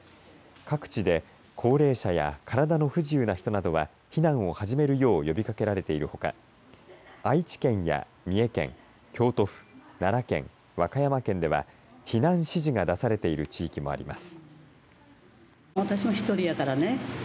各地で高齢者や体の不自由な人などは避難を始めるよう呼びかけられているほか愛知県や三重県、京都府奈良県、和歌山県では避難指示が出されている地域もあります。